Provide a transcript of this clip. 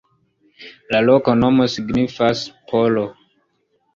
La loknomo signifas: polo.